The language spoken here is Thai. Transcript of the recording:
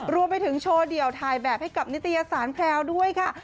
รวมไปถึงโชว์เดี่ยวถ่ายแบบให้กับนิตยสารแพรวด้วยค่ะ